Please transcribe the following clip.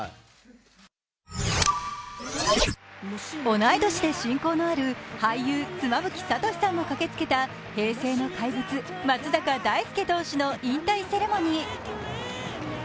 同い年で親交のある俳優・妻夫木聡さんも駆けつけた平成の怪物、松坂大輔選手の引退セレモニー。